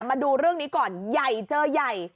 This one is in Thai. มาดูเรื่องนี้ก่อนใหญ่เจอใหญ่